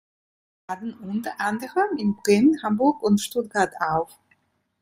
Sie traten unter anderem in Bremen, Hamburg und Stuttgart auf.